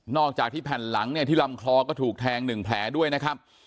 อกจากที่แผ่นหลังเนี่ยที่ลำคอก็ถูกแทง๑แผลด้วยนะครับ